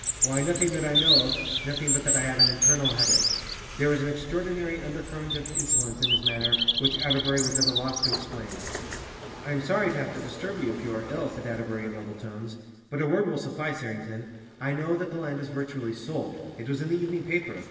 "Why, nothing that I know of—nothing but that I have an internal headache." There was an extraordinary undercurrent of insolence in his manner which Atterbury was at a loss to explain. "I am sorry to have to disturb you if you are ill," said Atterbury in level tones, "but a word will suffice, Harrington. I know that the land is virtually sold—it was in the evening paper.